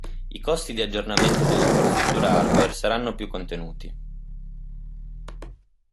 I costi di aggiornamento dell'infrastruttura hardware saranno più contenuti.